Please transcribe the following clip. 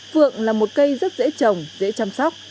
phượng là một cây rất dễ trồng dễ chăm sóc